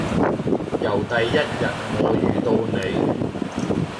由第一日我遇到你